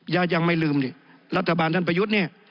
ยังไม่ลืมนี่รัฐบาลท่านประยุทธ์เนี่ย